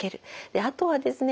あとはですね